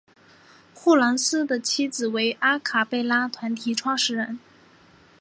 霍蓝斯的妻子为阿卡贝拉团体创始人。